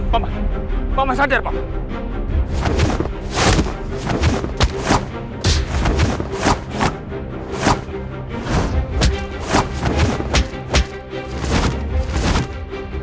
paman paman sadar paman